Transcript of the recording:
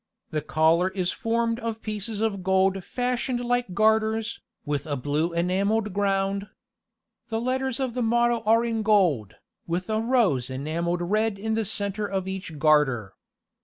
The collar is formed of pieces of gold fashioned like garters, with a blue enamelled ground. The letters of the motto are in gold, with a rose enamelled red in the centre of each garter.